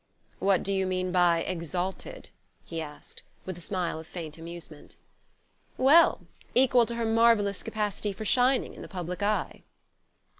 "What do you mean by exalted?" he asked, with a smile of faint amusement. "Well equal to her marvellous capacity for shining in the public eye."